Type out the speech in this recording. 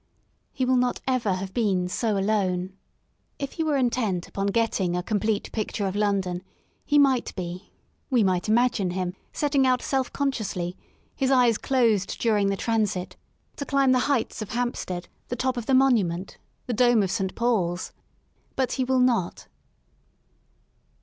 He will not ever have been so alone^ If he were intent upon getting a complete picture of London he might be^ — we might imagine him — set ting out self consciously, his eyes closed during the transit, to climb the heights of Hampstead, the top of 7 THE SOUL OF LONDON the Monument, the Dome of St. Paul's. But he will not.